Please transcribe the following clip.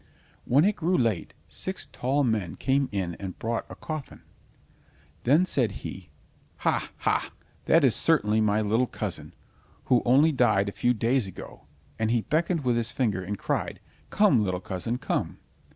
When it grew late, six tall men came in and brought a coffin. Then said he: "Ha, ha, that is certainly my little cousin, who only died a few days ago," and he beckoned with his finger, and cried: "Come, little cousin, come."